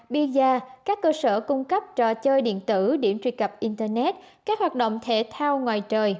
piza các cơ sở cung cấp trò chơi điện tử điểm truy cập internet các hoạt động thể thao ngoài trời